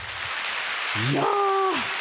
いや！